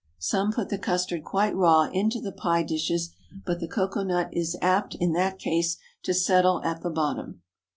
Some put the custard quite raw into the pie dishes, but the cocoa nut is apt, in that case, to settle at the bottom.